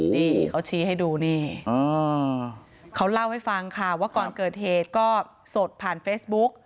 นี่เขาชี้ให้ดูนี่เขาเล่าให้ฟังค่ะว่าก่อนเกิดเหตุก็สดผ่านเฟซบุ๊ก